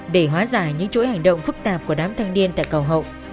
để hóa giải những chỗi hành động phức tạp của đám thanh niên tại cầu hậu